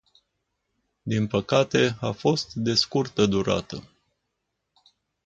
Din păcate, a fost de scurtă durată.